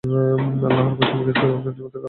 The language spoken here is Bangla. আল্লাহর কসম, তিনি কিছুমাত্র গাফিল নন।